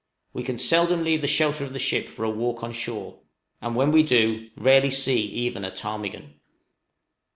We can seldom leave the shelter of the ship for a walk on shore, and, when we do, rarely see even a ptarmigan.